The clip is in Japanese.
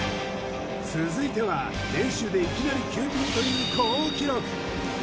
続いては練習でいきなり９ピンという好記録！